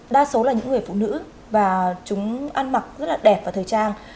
đa số là những người phụ nữ và chúng ăn mặc rất là đẹp và thời trang